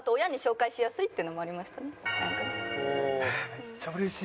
めっちゃ嬉しい！